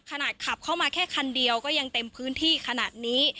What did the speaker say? ขนาดขับเข้ามาแค่คันเดียวก็ยังเต็มพื้นที่ขนาดนี้